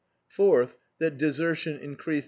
fourth, that desertion increased 369.